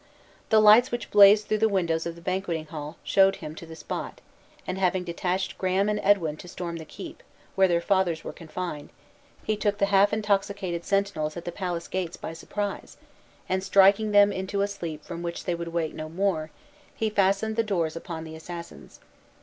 The lights which blazed through the windows of the banqueting hall showed him to the spot; and, having detached Graham and Edwin to storm the keep, where their fathers were confined, he took the half intoxicated sentinels at the palace gates by surprise, and striking them into a sleep from which they would wake no more, he fastened the doors upon the assassins.